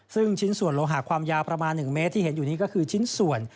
ซึ่งชิ้นส่วนโลหะความยาวประมาณ๑เมตรที่เห็นอยู่นี้ก็คือชิ้นส่วน